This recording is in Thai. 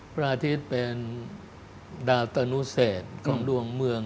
พระอาทิตย์เป็นดาตนุเศษของดวงเมือง